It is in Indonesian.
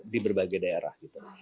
di berbagai daerah gitu